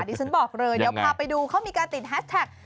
ที่ฉันบอกเลยเดี๋ยวพาไปดูเขามีการติดแฮชแท็ก